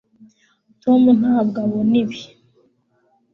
tom ntabwo abona ibi